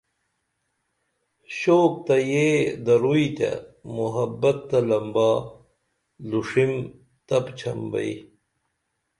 شوق تہ یہ دروئی تے محبت تہ لمبا لوݜیم تپ چھن بئی